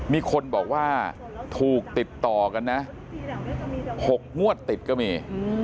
มีคนบอกว่าถูกติดต่อกันนะ๖งวดติดก็มี